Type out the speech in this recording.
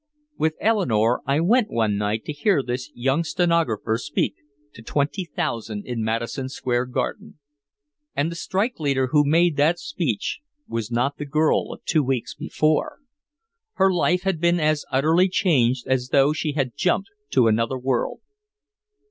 With Eleanore I went one night to hear this young stenographer speak to twenty thousand in Madison Square Garden. And the strike leader who made that speech was not the girl of two weeks before. Her life had been as utterly changed as though she had jumped to another world.